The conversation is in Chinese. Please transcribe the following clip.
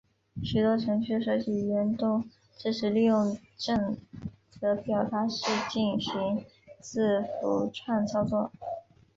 许多程序设计语言都支持利用正则表达式进行字符串操作。